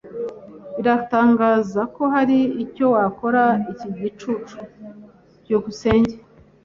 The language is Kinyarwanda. Birantangaza ko hari icyo wakora iki gicucu. byukusenge